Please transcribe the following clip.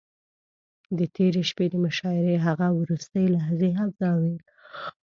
د تېرې شپې د مشاعرې هغه وروستۍ لحظې همداوې.